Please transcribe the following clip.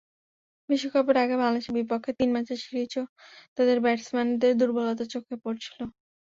বিশ্বকাপের আগে বাংলাদেশের বিপক্ষে তিন ম্যাচের সিরিজেও তাদের ব্যাটসম্যানদের দুর্বলতা চোখে পড়েছিল।